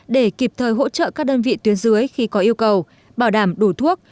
để kịp thời hỗ trợ các đơn vị tuyến dưới khi có yêu cầu bảo đảm đủ thuốc